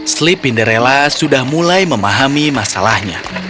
slipinderella sudah mulai memahami masalahnya